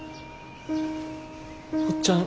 おっちゃん